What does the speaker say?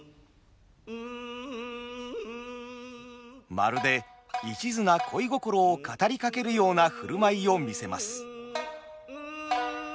まるで一途な恋心を語りかけるような振る舞いを見せます。